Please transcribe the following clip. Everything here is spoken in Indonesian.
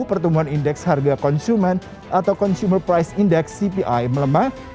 pertumbuhan indeks harga konsumen atau consumer price index cpi melemah